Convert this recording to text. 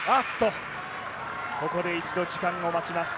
ここで一度時間を待ちます。